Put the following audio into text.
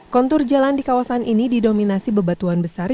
kontur jalan di kawasan ini didominasi bebatuan besar